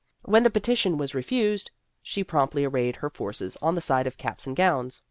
When the petition was refused, she promptly arrayed her forces on the side of caps and gowns.